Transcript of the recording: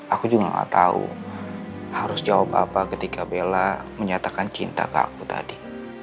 aku juga gak tahu harus jawab apa ketika bella menyatakan cinta ke aku tadi